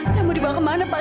saya mau dibawa kemana pak